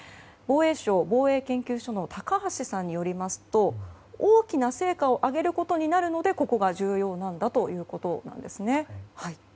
防衛省防衛研究所の高橋さんによりますと大きな成果を上げることになるのでここが重要なんだということです。